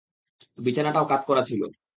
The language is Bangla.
বিছানাটাও কাত করা ছিল।